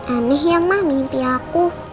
aneh ya mah mimpi aku